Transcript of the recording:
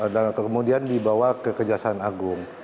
dan kemudian dibawa ke kejaksaan agung